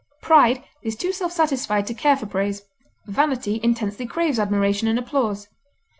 Pride is too self satisfied to care for praise; vanity intensely craves admiration and applause.